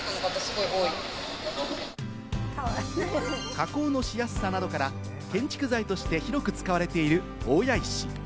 加工のしやすさなどから、建築材として広く使われている大谷石。